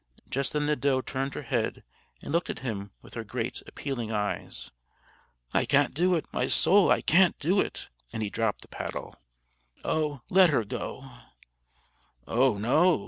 Just then the doe turned her head, and looked at him with her great, appealing eyes. "I can't do it! my soul, I can't do it!" and he dropped the paddle. "Oh, let her go!" "Oh, no!"